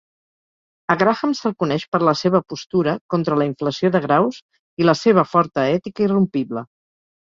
A Graham se'l coneix per la seva postura contra la inflació de graus i la seva forta ètica irrompible.